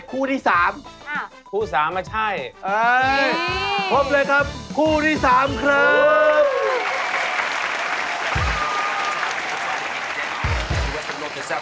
กลัว